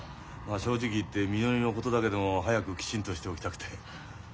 正直言ってみのりのことだけでも早くきちんとしておきたくて。